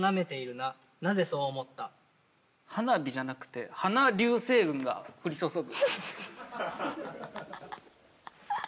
花火じゃなくて鼻流星群が降り注ぐ。